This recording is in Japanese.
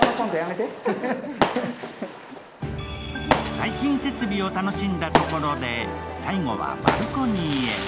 最新設備を楽しんだところ、最後はバルコニーへ。